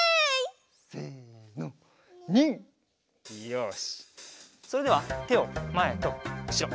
よしそれではてをまえとうしろ。